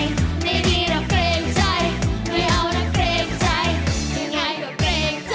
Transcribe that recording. ไม่ดีหรอกเกรงใจ